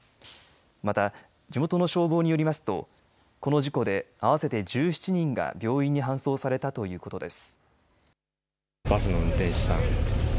また、地元の消防によりますとこの事故で合わせて１７人が病院に搬送されたということです。